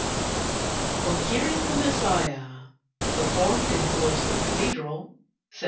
ON HEARING "THE MESSIAH" PERFORMED IN GLOUCESTER CATHEDRAL, SEPT.